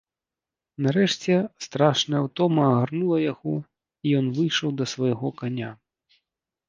Нарэшце страшная ўтома агарнула яго, і ён выйшаў да свайго каня.